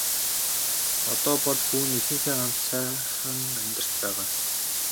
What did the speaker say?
Одоо бол хүү нь эхийнхээ хамт сайхан амьдарч байгаа.